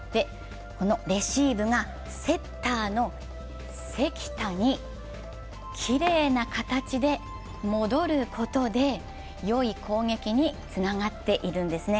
レシーブがセッターの関田にきれいな形で戻ることでいい攻撃につながっているんですね。